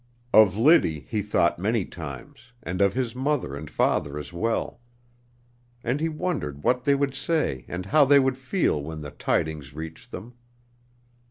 Of Liddy he thought many times, and of his mother and father as well, and he wondered what they would say and how they would feel when the tidings reached them.